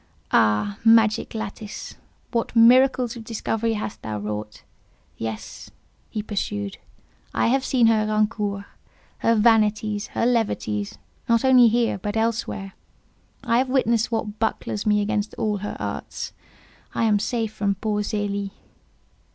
Ah, magic lattice! what miracles of discovery hast thou wrought! Yes," he pursued, "I have seen her rancours, her vanities, her levities—not only here, but elsewhere: I have witnessed what bucklers me against all her arts: I am safe from poor Zélie."